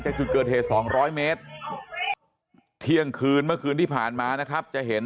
จุดเกิดเหตุ๒๐๐เมตรเที่ยงคืนเมื่อคืนที่ผ่านมานะครับจะเห็น